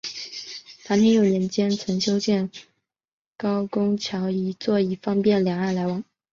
唐天佑年间曾修建高公桥一座以方便两岸来往。